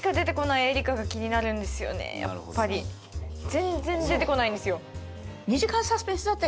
全然出てこないんですよ。